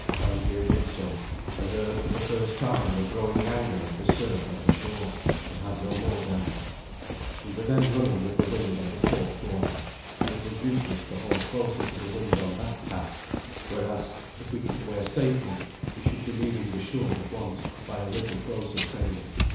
Arngeir did so, and heard for the first time the growing anger of the surf on the shore, and had no more doubt. We were then running with the wind on the port quarter, and it was useless to haul closer to the wind on that tack, whereas if we could wear safely we should be leaving the shore at once by a little closer sailing.